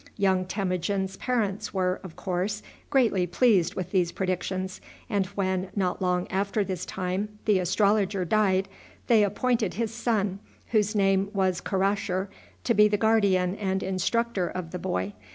Young Temujin's parents were, of course, greatly pleased with these predictions, and when, not long after this time, the astrologer died, they appointed his son, whose name was Karasher, to be the guardian and instructor of the boy.